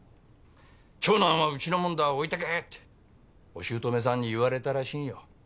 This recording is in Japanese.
「長男はうちのもんだ置いてけ！」ってお姑さんに言われたらしいんよ